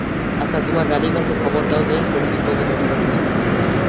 আচ্ছা, তোমার রানীমাকে খবর দাও যে সন্দীপবাবু দেখা করতে চান।